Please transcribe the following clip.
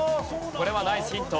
これはナイスヒント。